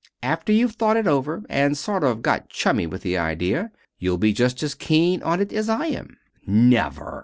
After you've thought it over, and sort of got chummy with the idea, you'll be just as keen on it as I am." "Never!"